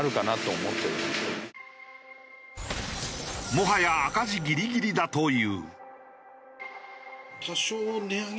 もはや赤字ギリギリだという。